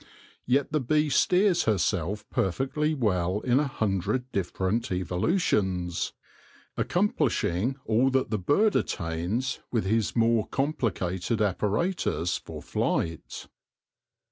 Yet the bee steers herself perfectly well in a hundred different evolutions, accomplishing all that the bird attains with his more complicated apparatus for flight.